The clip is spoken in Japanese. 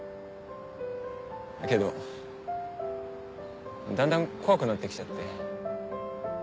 けどだんだん怖くなって来ちゃって。